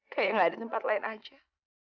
kayak gak ada tempat lain aja